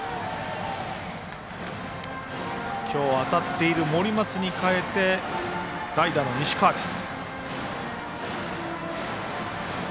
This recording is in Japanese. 今日当たっている森松に代えて代打の西川です。